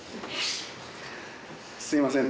すいません